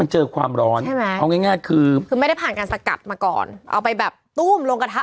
คลอความร้อนเอาเรียบร้อยไงคือไม่ได้ผ่านกันสกัดมาก่อนเอาไปแบบตู้มลงกระทะ